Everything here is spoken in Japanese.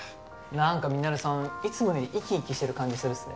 なんかミナレさんいつもより生き生きしてる感じするっすね。